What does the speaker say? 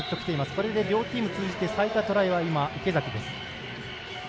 これで両チーム通じて最多トライは今、池崎です。